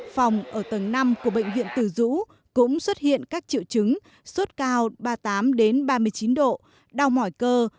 phòng ở tầng năm của bệnh viện tử dũ cũng xuất hiện các triệu chứng sốt cao ba mươi tám ba mươi chín độ đau mỏi cơ